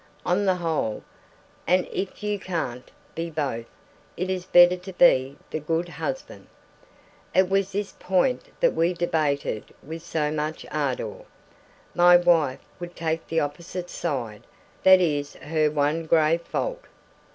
On the whole, and if you can't be both, it is better to be the good husband!" It was this point that we debated with so much ardor. My wife would take the opposite side; that is her one grave fault.